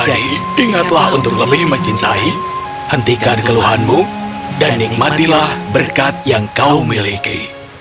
jadi ingatlah untuk lebih mencintai hentikan keluhanmu dan nikmatilah berkat yang kau miliki